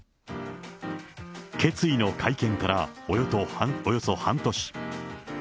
決意の会見からおよそ半年。